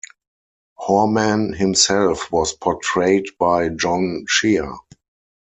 Horman himself was portrayed by John Shea.